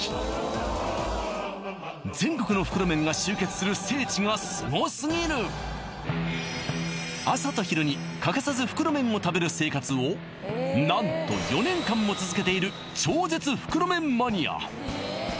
全国の袋麺が集結する聖地がすごすぎる朝と昼に欠かさず袋麺を食べる生活を何と４年間も続けている超絶袋麺マニア